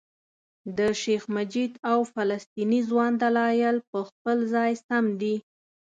د شیخ مجید او فلسطیني ځوان دلایل په خپل ځای سم دي.